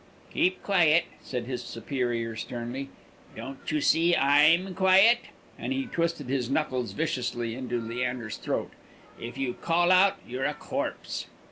"Keep quiet," said his superior, sternly. "Don't you see I'm quiet?" and he twisted his knuckles viciously into Leander's throat. "If you call out you're a corpse!"